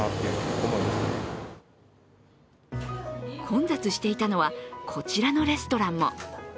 混雑していたのはこちらのレストランも。